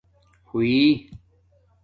بݸئ